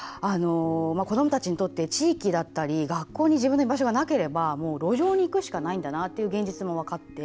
子どもたちにとって地域だったり学校に自分の居場所がなければ路上に行くしかないんだなという現実も分かって。